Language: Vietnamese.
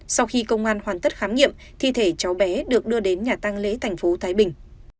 sau khi công an hoàn tất khám nghiệm thi thể cháu bé được đưa đến nhà tăng lễ thành phố thái bình